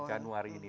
di januari ini